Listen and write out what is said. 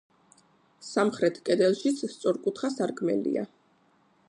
სამხრეთ კედელშიც სწორკუთხა სარკმელია.